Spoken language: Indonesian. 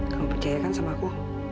kamu percaya kan sama aku